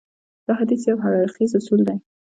دا حديث يو هراړخيز اصول دی.